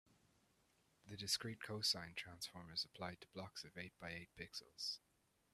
The discrete cosine transform is applied to blocks of eight by eight pixels.